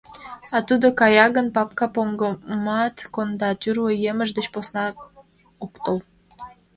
А тудо кая гын, папка поҥгымат конда, тӱрлӧ емыж деч поснат ок тол.